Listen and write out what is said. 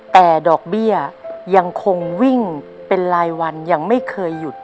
แต่ดอกเบี้ยยังคงวิ่งเป็นรายวันยังไม่เคยหยุด